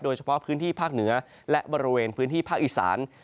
โดยเฉพาะพื้นที่ภาคเหนือและบริเวณพื้นที่ภาคอีสาน